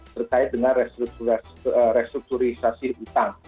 terkait dengan restrukturisasi utang